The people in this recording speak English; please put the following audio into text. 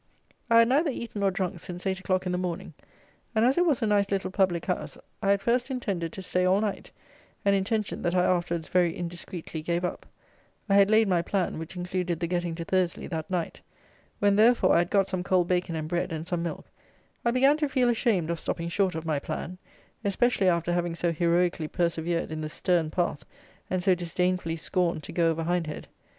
I had neither eaten nor drunk since eight o'clock in the morning; and as it was a nice little public house, I at first intended to stay all night, an intention that I afterwards very indiscreetly gave up. I had laid my plan, which included the getting to Thursley that night. When, therefore, I had got some cold bacon and bread, and some milk, I began to feel ashamed of stopping short of my plan, especially after having so heroically persevered in the "stern path," and so disdainfully scorned to go over Hindhead.